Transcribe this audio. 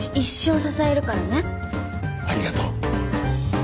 ありがとう。